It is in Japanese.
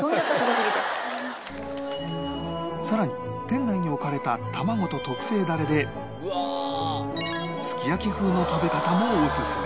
さらに店内に置かれた卵と特製ダレですき焼き風の食べ方もオススメ